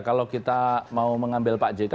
kalau kita mau mengambil pak jk